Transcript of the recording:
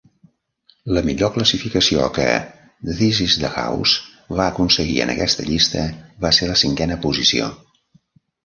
La millor classificació que "This is the House" va aconseguir en aquesta llista va ser la cinquena posició.